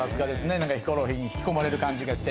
何かヒコロヒーに引き込まれる感じがして。